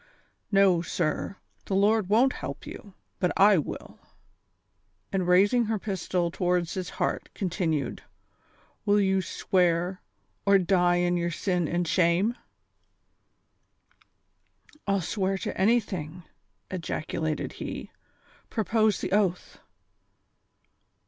"No, sir; the Lord won't help j'ou, but I will," and raising her pistol towards his heart, continued: "Will you swear, or die in your sin and shame V " THE CONSPIRATORS AND LOVERS. 197 "I'll swear to anything," ejaculated lie; "propose the oath."